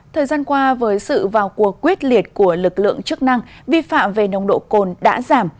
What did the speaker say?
thời gian qua với sự vào cuộc quyết liệt của lực lượng chức năng vi phạm về nồng độ cồn đã giảm